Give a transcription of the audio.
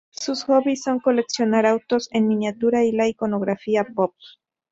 Sus hobbies son coleccionar autos en miniatura, y la iconografía pop.